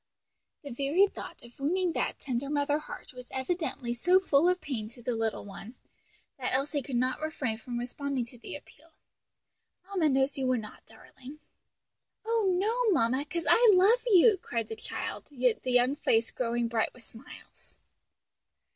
The very thought of so wounding that tender mother heart was evidently so full of pain to the little one, that Elsie could not refrain from responding to the appeal, "Mamma knows you would not, darling." "Oh, no, mamma, 'cause I love you!" cried the child, the young face growing bright with smiles.